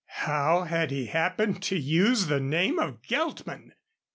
How had he happened to use the name of Geltman!